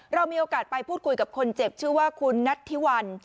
เรามีโอกาสไปพูดคุยกับคนเจ็บชื่อว่าคุณนัทธิวัน